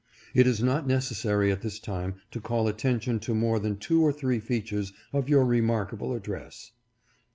It is not necessary at this time to call attention to more than two or three features of your remarkable address : 1.